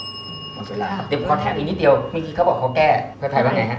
พอแทนอีกนิดเดียวมีทีเค้าบอกเค้าแก้ภายใจว่าไง